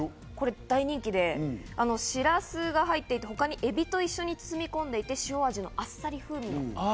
大人気で、しらすが入っていて、他にエビと一緒に包み込んでいて、塩味のあっさり風味。